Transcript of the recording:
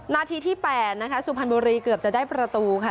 นัดที่๘นะคะศุภัณฑ์บุรีเกือบจะได้ประตูค่ะ